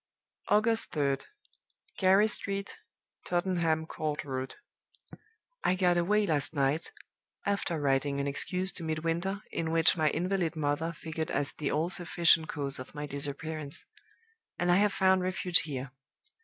"August 3d. Gary Street, Tottenham Court Road. I got away last night (after writing an excuse to Midwinter, in which 'my invalid mother' figured as the all sufficient cause of my disappearance); and I have found refuge here.